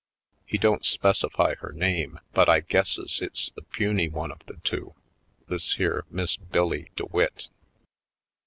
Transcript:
He don't specify her name, but I guesses it's the puny one of the two — this here Miss Bill Lee DeWitt.